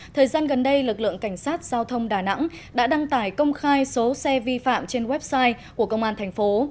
thời gian gần đây lực lượng cảnh sát giao thông đà nẵng đã đăng tải công khai số xe vi phạm trên website của công an thành phố